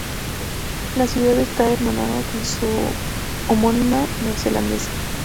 La ciudad está hermanada con su homónima neozelandesa.